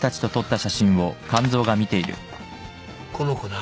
この子な。